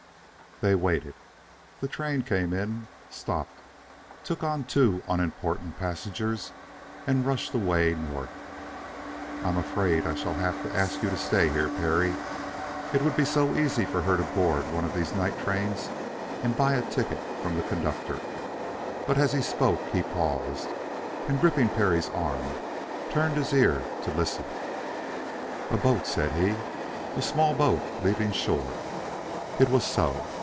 They waited. The train came in, stopped, took on two unimportant passengers and rushed away north. "I'm afraid I shall have to ask you to stay here, Perry. It would be so easy for her to board one of these night trains and buy a ticket from the conductor." But as he spoke he paused, and gripping Perry's arm, turned his ear to listen. "A boat," said he. "A small boat leaving shore." It was so.